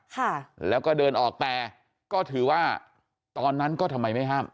ค่ะแล้วก็เดินออกแต่ก็ถือว่าตอนนั้นก็ทำไมไม่ห้าม